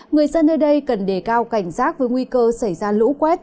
người dân nơi đây cần đề cao cảnh giác với nguy cơ xảy ra lũ quét